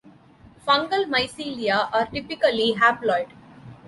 Fungal mycelia are typically haploid.